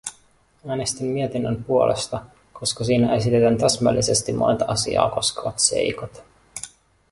Äänestin mietinnön puolesta, koska siinä esitetään täsmällisesti monet asiaa koskevat seikat.